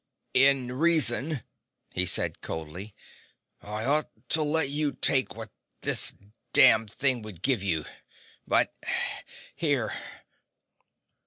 "In reason," he said coldly, "I ought to let you take what this damned thing would give you. But—here!"